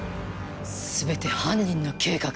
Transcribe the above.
全て犯人の計画。